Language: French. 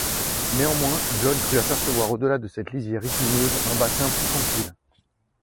Néanmoins, John crut apercevoir au-delà de cette lisière écumeuse un bassin plus tranquille.